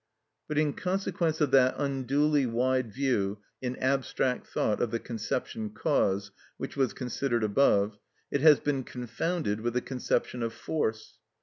But in consequence of that unduly wide view in abstract thought of the conception cause, which was considered above, it has been confounded with the conception of force.